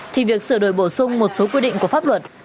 thì việc sửa đổi bổ sung một số quy định của pháp luật